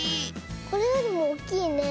これよりもおっきいね。